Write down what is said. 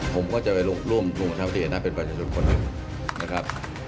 ผมก็จะไปร่วมรุงประชาปติศนาเป็นประชาชนคนหนึ่งนะครับ